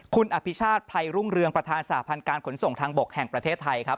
คุณอภิชาติภัยรุ่งเรืองประธานสหพันธ์การขนส่งทางบกแห่งประเทศไทยครับ